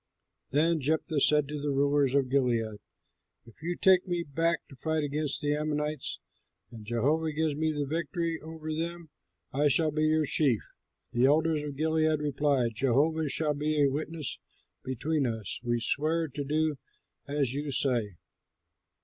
Then Jephthah said to the rulers of Gilead, "If you take me back to fight against the Ammonites and Jehovah gives me the victory over them, I shall be your chief." The elders of Gilead replied, "Jehovah shall be a witness between us; we swear to do as you say."